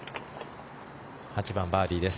８番、バーディーです。